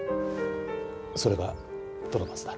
それが虎松だ。